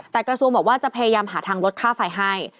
แต่กระทรวงบอกว่าจะพยายามหาทางลดค่าไฟให้